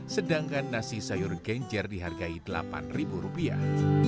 sedangkan nasi sayur genjer dihargai delapan ribu rupiah